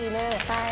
はい。